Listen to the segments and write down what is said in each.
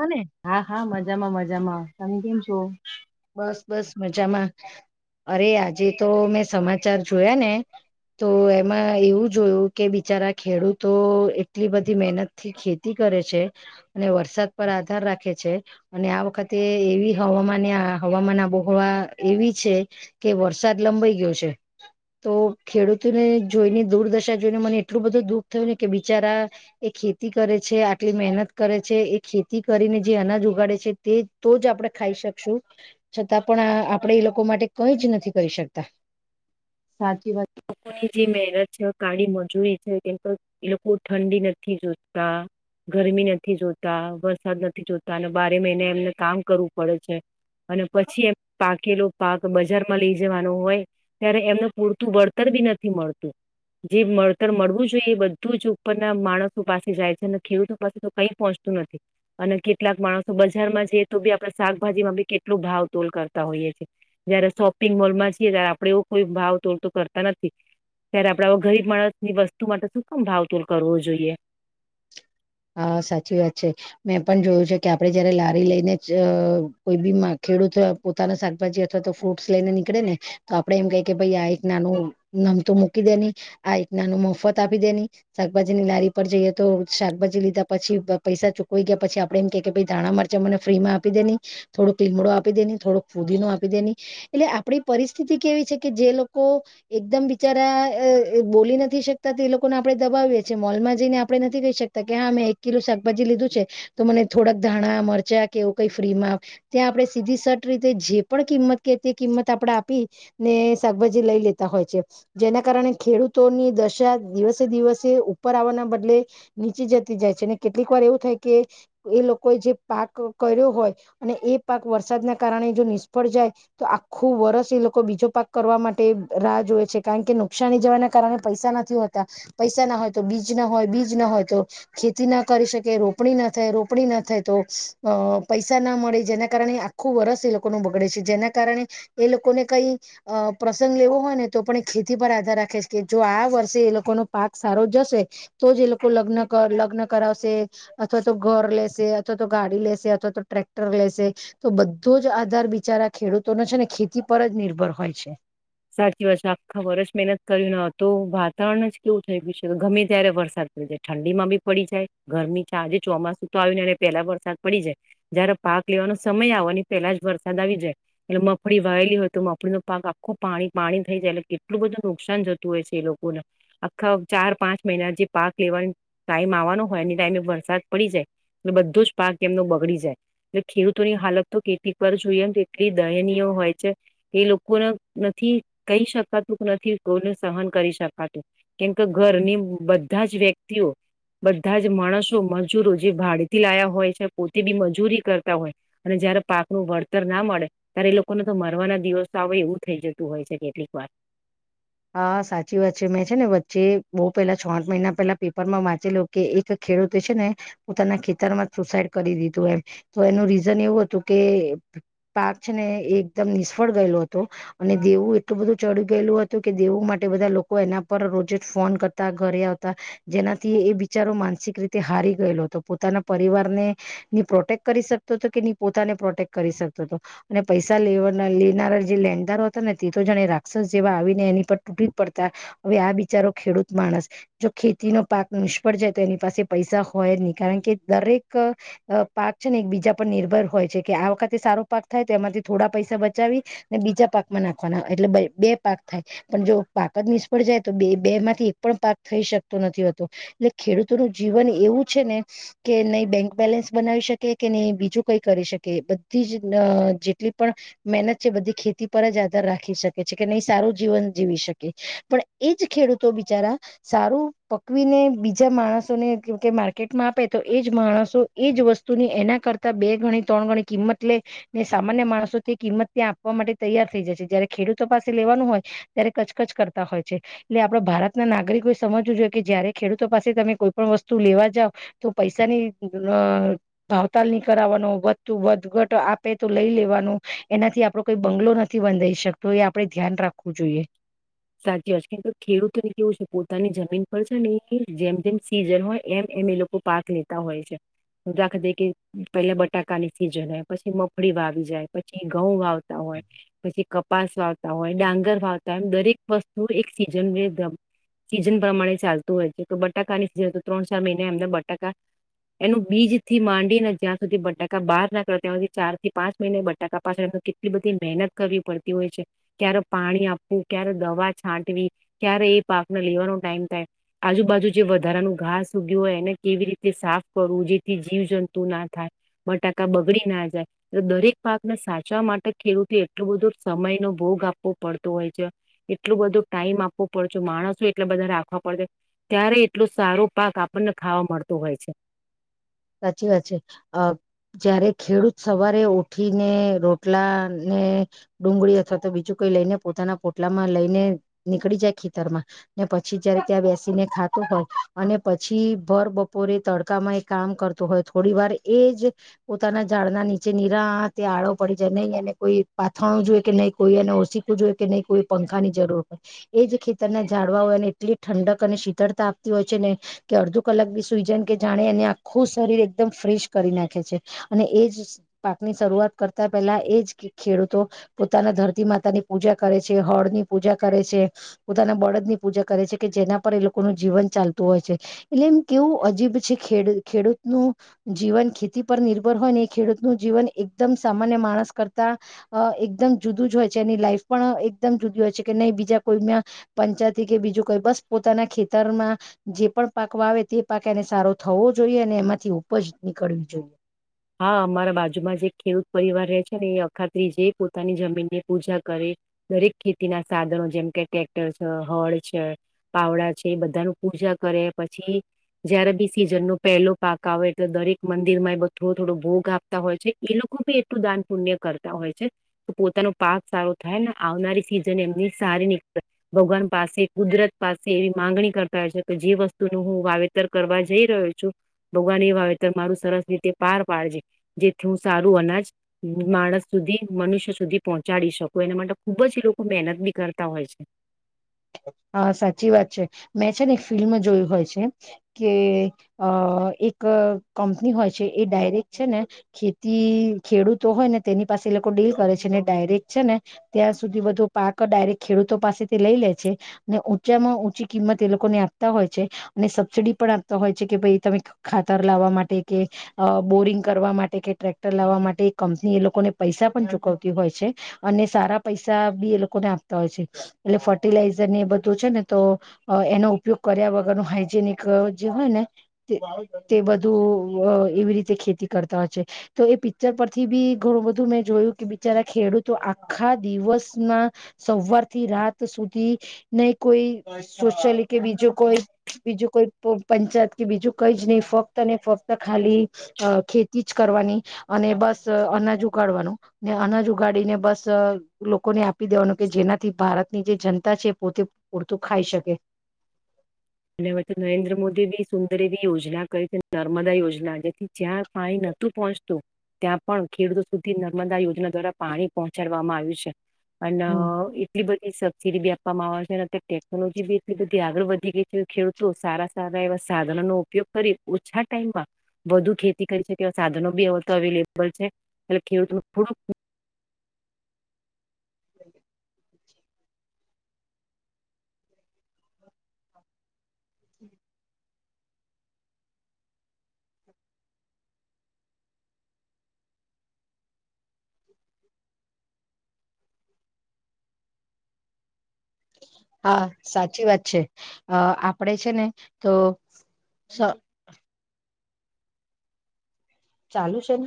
હને હા હા મજામાં મજામાં. તમે કેમ છો? બસ બસ મજામાં. [inaudible] અરે આજે તો મે. સમાચાર જોયા ને તો એમાં એવું જોયું કે બિચારા ખેડૂતો એટલી બધી મહેનત થી ખેતી કરે છે અને વરસાદ પર આધાર રાખે છે અને આ વખતે એવી હવામાન. હવામાન આબોહવા એવી છે કે વરસાદ લંબાઈ ગયો છે તો ખેડૂતોને જોઈને દુર્દશા જોઈને મને એટલું બધું દુઃખ થયું ને કે બિચારા એ ખેતી કરે છે આટલી મહેનત કરે છે એ ખેતી કરીને જે અનાજ ઉગાડે છે તે તો જ આપણે ખાઈ શકશું. છતાં પણ આપણેે એ લોકો માટે કઈ જ નથી કરી શકતા. સાચી વાત પણ એજે મહેનત કાળી મજૂરી છે કેમ એ લોકો ઠંડી નથી જોતા ગરમી નથી જોતા વરસાદ નથી જોતા અને બારે મહિને એમને કામ કરવું પડે છે અને પછી એમ પાકેલો પાક બજારમાં લઈ જવાનો હોય ત્યારે એમનો. પૂરતું વળતર બી નથી મળતું જે વળતર મળવું જોઈએ એ બધું જ ઉપરના માણસો પાસે જાય છે અને ખેડૂતો પાસે તો કઈ પહોંચતું નથી અને કેટલાક માણસો બજારમાં જઈએ તો બી આપણે શાકભાજી માં બી કેટલોું ભાવ તોલ કરતા હોઈએ છેએ જયારે શોપિંગ મોલ માં છીએ ત્યારે આપણે એવો કોઈ ભાવ. તો તો કરતા નથી ત્યારે આપણે ગરીબ માણસ ની વસ્તુ માટે શું કમ ભાવતોડ કરવો જોઈએ. હા સાચી વાત છે મેં પણ જોયું છે કે આપડે જયારે લારી લઈને કોઈ બી ખેડૂત પોતાના શાકભાજી અથવા તો ફ્રૂટ્સ લઈને નીકળે ને તો આપડે એમ ક કે ભાઈ આ એક નાનું નમતું મૂકી દે ન આ એક નાનું મફત આપી દેની શાકભાજીની લારી પર જઈએ તો શાકભાજી. લીધા પછી પૈસા ચૂુકવાઈ ગયા પછી આપણે એમ કે કે ધાણા મરચા મને ફ્રીમાં આપી દેની થોડો લીમડો આપી દે થોડોક ફુદી ન આપી દે એટલે આપણી પરિસ્થિતિ કેવી છે કે જે લોકો એકદમ બિચારા બોલી નથી શકતા તે લોકોને આપણે દબાવીએ છીએ મોલમાં જઈને આપણે નથી કહી શકતા. તો કે હા મેં એક કિલો શાકભાજી લીધું છે તો મને થોડાક ધાણા મરચાં કે એવું કઈ ફ્રીમાં ત્યાં આપણે સીધી સટ રીતે જે પણ કિંમત કે તે કિંમત આપણેે આપી ને શાકભાજી લઈ લેતા હોય છે જેના કારણે ખેડૂતોની દશા દિવસે દિવસે ઉપર આવવાના બદલે. નીચી જતી જાય છે અને કેટલીક વાર એવું થાય કે એ લોકોએ જે પાક કર્યો હોય અને એ પાક વરસાદના કારણે જો નિષ્ફળ જાય તો આખું વરષ એ લોકો બીજો પાક કરવા માટે રાહ જોવે છે કારણ કે નુકસાની જવાના કારણે પૈસા નથી હોતા પૈસા ના હોય તો બીજ ના હોય બીજ ના હોય. ખેતી ના કરી શકે રોપણી ના થાય રોપણી ના થાય તો અ પૈસા ના મળે જેના કારણે આખું વર્ષ એ લોકો ન બગડે છે જેના કારણે એ લોકોને કઈ અ પ્રસંગ લેવો હોય ને તો પણ એ ખેતી પર આધાર રાખે છે કે જો આ વર્ષે એ લોકોનો પાક સારો જશે તો જ એ લોકો લગ્ન. કર લગ્ન કરાવશે અથવા તો ઘર લેશે અથવા તો ગાડી લેશે અથવા તો ટ્રેક્ટર લેશે તો બધો જ આધાર બિચારા ખેડૂતોનો છે ને ખેતી પર જ નિર્ભર હોય છે. સાચી વાત છે આખા વર્ષ મહેનત કર્યું ન તો વાતાવરણ જ કેવું થઈ ગયું છે ગમે ત્યારે વરસાદ પડી જાય ઠંડીમાં બી પડી જાય ગરમી છે આજે ચોમાસું તો આવ્યું ને એ પેલા વરસાદ પડી જાય જયારે પાક લેવાનો સમય આવ ને પેલા જ વરસાદ આવી જાય એટલે મગફળી વાયલી હોય તો મગફળીનો પાક. પાણી પાણી થઈ જાય એટલે કેટલું બધું નુકસાન થતું હોય છે એ લોકોને આખા ચાર પાંચ મહિના જે પાક લેવાનો ટાઈમ આવવાનો હોય એ ટાઈમે વરસાદ પડી જાય એટલે બધો જ પાક એમનો બગડી જાય એટલે ખેડૂતોની હાલત તો કેટલીક વાર જોઈએ એમ કેટલી દયનીય હોય છે એ લોકોને. નથી કહી શકાતું કે નથી કોઈને સહન કરી શકાતું કેમ કે ઘરની બધા જ વ્યક્તિઓ બધા જ માણસો મજૂરો જે ભાડેથી લાયા હોય છે પોતે બી મજૂરી કરતા હોય અને જયારે પાકનું વળતર ના મળે ત્યારે એ લોકોને તો મરવાના દિવસ આવે એવું. થઈ જતું હોય છે કેટલીક વાર. હા સાચી વાત છે મેં છે ને વચ્ચે બહુ પેલા છ આઠ મહિના પહેલા પેપરમાં વાંચેલો કે એક ખેડૂતે છે ને પોતાના ખેતરમાં સુસાઈડ કરી દીધું એમ તો એનું રીઝન એવું હતું કે પાક છે ને એ એકદમ નિષ્ફળ ગયેલો હતો અને દેવું એટલું બધું ચડી ગયેલું હ તું, કે દેવું માટે બધા લોકો એના પર રોજ જ ફોન કરતા ઘરે આવતા જેનાથી એ બિચારો માનસિક રીતે હારી ગયેલો હતો પોતાના પરિવારને નહિ પ્રોટેક્ટ કરી શકતો હતો કે નહિ પોતાને પ્રોટેક્ટ કરી સકતો હતો અને પૈસા લેવના, લેનારા જે લેણદારો હતા ને તે તો જાણે રાક્ષસ જેવા આવી ને એની પર તૂટી જ પડતા હવે આ બિચારો ખેડૂત માણસ જો ખેતીનો પાક નિષ્ફળ જાય તો એની પાસે પૈસા હોય જ નહી કારણ કે દરેક પાક છે ને એક બીજા પર નિર્ભર હોય છે કે આ વખતે સારો પાક થાય તો એમાંથી થોડા પૈસા બચાવી ને બીજા પાકમાં નાખવાના એટલે બય બે પાક થાય, પણ જો પાક જ નિષ્ફળ જાય તો બે બે માંથી એક પણ પાક થઈ શકતો નથી હોતો એટલે ખેડૂતો ન જીવન એવું છે ને કે નઈ બેંક બેલેન્સ બનાવી શકે કે નહી બીજું કઈ કરી શકે બધી જ ન જેટલી પણ મહેનત છે બધી ખેતી પર જ આધાર રાખી શકે છે કે નહી સારું જીવન જીવી શકે પણ એજ ખેડૂતો બિચારા સારું પકવીને બીજા માણસોને કેમ કે માર્કેટમાં આપે તો એજ માણસો એજ વસ્તુની એના કરતા બે ગણી ત્રણ ગણી કિંમત લે ને સામાન્ય માણસો તે કિંમત ત્યાં આપવા માટે તૈયાર થઈ જાય છે જયારે ખેડૂતો પાસે લેવાનું હોય ત્યારે કચકચ કરતા હોય છે એટલે આપડ ભારતના નાગરિકોએ સમજવું જોઈએ કે જયારે ખેડૂતો પાસે તમે કોઈ પણ વસ્તુ લેવા જાવ તો પૈસાની ભાવતાલ નહી કરાવાનો વધતું વધઘટ આપે તો લઈ લેવાનો એનાથી આપડો કોઈ બંગલો નથી બંધઈ શકતો એ આ પણે ધ્યાન રાખવું જોઈએ. સાચી વાત છે કેમ કે ખેડૂતોને કેવું છે પોતાની જમીન પર છે ને [unintelligible] જેમ જેમ સીઝન હોય એમ એમ એ લોકો પાક લેતા હોય છે. [unintelligible] કે પેલા બટાકાની સીઝન હોય પછી મગફળી વાવી જાય પછી ઘઉં વાવતા હોય પછી કપાસ વાવતા હોય ડાંગર વાવતા હોય એમ દરેક વસ્તુ એક સીઝન [unintelligible] સીઝન પ્રમાણે ચાલતું હોય, તો બટાકાની સીઝન હોય તો ત્રણ ચાર મહિને એમને બટાકા એનું બીજથી માંડીને જ્યાં સુધી બટાકા બહાર નાકળે ત્યાં હુધી ચારથી પાંચ મહિને બટાકા પાછળ એ કેટલી બધી મહેનત કરવી પડતી હોય છે ક્યારે પાણી આપવું ક્યારે. દવા છાંટવી ક્યારે એ પાકને લેવાનો ટાઈમ થાય આજુબાજુ જે વધારાનું ઘાસ ઉગ્યું હોય એને કેવી રીતે સાફ કરવું જેથી જીવ જંતુ ના થાય બટાકા બગડી ના જાય એટલે દરેક પાકને સાચવા માટે ખેડૂતે એટલો બધો સમય નો ભોગ આપવો પડતો હોય છે. એટલું બધું ટાઈમ આપવો પડે છે, માણસો એટલા બધા રાખવા પડશે ત્યારે એટલું સારો પાક આપણને ખાવા મળતો હોય છે. સાચી વાત છે, અહ જયારે ખેડૂત સવારે ઉઠીને રોટલાને ડુંગળી અથવા તો બીજું કઈ લઈને પોતાના પોટલામાં લઈને નીકળી જાય ખેતરમાં ને પછી જયારે ત્યાં બેસીને ખાતું હોય અને પછી ભર બપોરે તડકામાં એક કામ કરતો હોય થોડી વાર એ જ પોતાના ઝાડના નીચે નિરાતે આળો પડી જાય નહીં એને કોઈ પાથરણું જોઈએ કે નહીં કોઈ એને ઓસીકું જોઈએ કે નહી કોઈ પંખાની જરૂર હોય એજ ખેતરના ઝાડવાઓ એને એટલી ઠંડક અને શીતળતા આપતી હોય છે ને કે અડધો કલાક બી સુઈ જને કે જાણે એને ખુ શરીર એકદમ ફ્રેશ કરી નાખે છે અને એજ પાકની શરૂઆત કરતા પહેલા એજ ખેડૂતો પોતાના ધરતી માતાની પૂજા કરે છે હળની પૂજા કરે છે પોતાના બળદની પૂજા કરે છે કે જેના પર એ લોકોનું જીવન ચાલતું હોય છે એટલે એમ કેવું અજીબ છે ખેડ ખેડૂતનું જીવન ખેતી પર નિર્ભર હોય ને એ ખેડૂતનું જીવન એકદમ સામાન્ય માણસ કરતા અહ એકદમ જુદું જ હોય છે એની લાઈફ પણ એકદમ જુદી હોય છે કે નહી બીજા કોઈ પંચાયત કે બીજું કોઈ બસ પોતાના ખેતરમાં જે પણ પાક વાવે તે પાક એને સારો થવો જોઈએ અને એમાંથી ઉપજ નીકળવી જોઈએ. હ, અમારા બાજુમાં જ એક ખેડૂત પરિવાર રહે છે ને એ અખા ત્રીજે પોતાની જમીનની પૂજા કરે દરેક ખેતીના સાધનો જેમ કે ટ્રેક્ટર છે, હળ છે, પાવડા છે એ બધા ન પૂજા કરે પછી જયારે બી સીઝનનું પહેલું પાક આવે એટલે દરેક મંદિરમાં એ બધું થોડું થોડું ભોગ આપતા હોય છે. એ લોકો બી એટલું દાન પુણ્ય કરતા હોય છે, તો પોતાનો પાક સારો થાય ને આવનારી સિઝન એમની સારી નીકળે. ભગવાન પાસે કુદરત પાસે એવી માંગણી કરતા હોય છે કે જે વસ્તુનું હું વાવેતર કરવા જઈ રહ્યો છું ભગવાન એ વાવેતર મારું સરસ રીતે પાર પાડજે. જેથી હું સારું અનાજ માણસ સુધી મનુષ્ય સુધી પહોંચાડી શકું એના માટે ખુબ જ એ લોકો મહેનત બી કરતા હોય છે. હા સાચી વાત છે મેં છે ને એક ફિલ્મ જોયું હોય છે કે અહ એક કંપની હોય છે એ ડાયરેક છે ને ખેતી ખેડૂતો હોય ને તેની પાસે એ લોકો ડીલ કરે છે ને ડાયરેક્ટ છે ને ત્યાં સુધી બધો પાક ડાયરેક્ટ ખેડૂતો પાસેથી લઈ લે છે, અને ઉંચામાં ઊંચી કિંમત એ લોકોને આપતા હોય છે અને સબસીિડી પણ આપતા હોય છે કે ભાઈ તમે ખાતર લાવવા માટે કે અહ, બોરિંગ કરવા માટે કે ટ્રેક્ટર લાવવા માટે કંપની એ લોકોને પૈસા પણ ચૂકવતી હોય છે અને સારા પૈસા બી એ લોકોને આપતા હોય છે એટલે ફ ફર્ટિલાઇઝર ને એ બધું છે ને તો અહ, એનો ઉપયોગ કર્યા વગરનું હાાઈજેનિક જે હોય ને તે, તે બધું એવી રીતે ખેતી કરતા હોય છે. તો એ પિક્ચર પરથી બી ઘણું બધું મેં જોયું કે બિચારા ખેડૂતો આખા દિવસમાં સવારથી રાત ત સુધી નહી કોઈ સોશયલી કે બીજું કોઈ બીજું કોઈ પંચાયત કે બીજું કઈ જ નહી ફક્ત ને ફક્ત ખાલી અહ, ખેતી જ કરવાની અને બસ અનાજ ઉગાડવાનું ને અનાજ ઉગાડીને બસ લોકોને આપી દેવાનું કે જેનાથી ભારત ની જે જનતા છે એ પોતે પૂરતું ખાઈ શકે. અને વચ્ચે નરેન્દ્ર મોદી બી શુ [inaudible] યોજના કરી નર્મદા યોજના જેથી જ્યાં પાણી નતું પહોંચતું, ત્યાં પણ ખેડૂતો સુધી નર્મદા યોજના દ્વારા પાણી પહોંચાડવામાં આવ્યું છે. એના એટલી બધી સબસીિડી બી. [unintelligible] એમા અત્યારે ટેકનોલોજી બી એટલી બધી આગળ વધી ગઈ. ખેડૂતો સારા સારા એવા સાધનોનો ઉપયોગ કરી ઓછા ટાઈમમાં, વધુ ખેતી કરી શકે એવા સાધનો બી તો અવેલેબલ છે, એટલે ખેડૂતો થોડું. [inaudible] [inaudible] હા સાચી વાત છે, અ આપડે છેને, તો સ. ચાલુ છેને?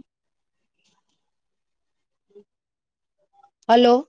હલો.